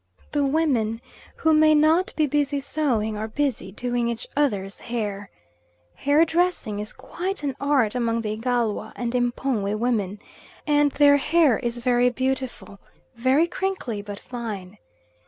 The women who may not be busy sewing are busy doing each other's hair. Hair dressing is quite an art among the Igalwa and M'pongwe women, and their hair is very beautiful; very crinkly, but fine.